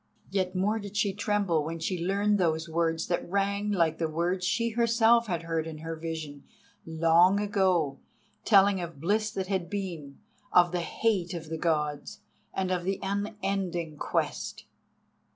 Yet more did she tremble when she learned those words that rang like the words she herself had heard in her vision long ago—telling of bliss that had been, of the hate of the Gods, and of the unending Quest.